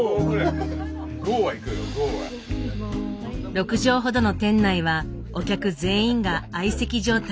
６畳ほどの店内はお客全員が相席状態。